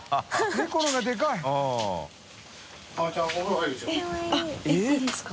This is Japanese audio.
茜Ｄ）いいですか？